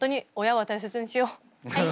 はい。